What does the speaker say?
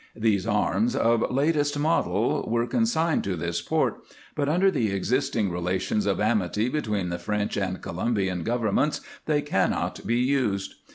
These arms, of latest model, were consigned to this port, but under the existing relations of amity between the French and Colombian governments they cannot be used.